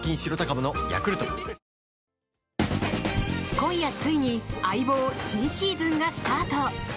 今夜ついに「相棒」新シーズンがスタート。